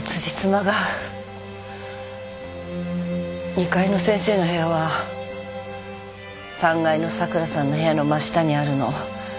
２階の先生の部屋は３階の桜さんの部屋の真下にあるの。